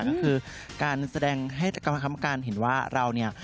นั่นคือการแสดงให้กรรมการเห็นว่าเราเนี่ย